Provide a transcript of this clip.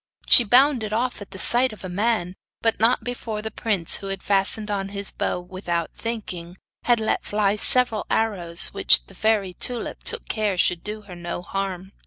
She bounded off at the sight of a man, but not before the prince, who had fastened on his bow without thinking, had let fly several arrows, which the fairy Tulip took care should do her no harm.